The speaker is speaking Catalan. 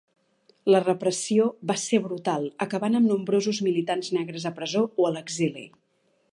La repressió va ser brutal acabant amb nombrosos militants negres a presó o a l'exili.